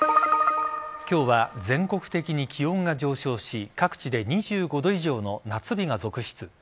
今日は全国的に気温が上昇し各地で２５度以上の夏日が続出。